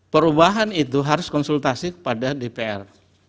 perubahan itu harus konsultasi kepada dpr